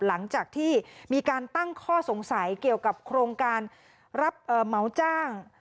หลังจากที่มีการตั้งข้อสงสัยเกี่ยวกับโครงการรับเหมาจ้าง